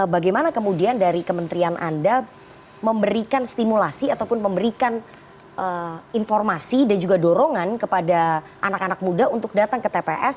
bagaimana kemudian dari kementerian anda memberikan stimulasi ataupun memberikan informasi dan juga dorongan kepada anak anak muda untuk datang ke tps